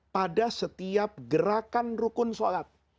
pada setiap gerakan rukun sholat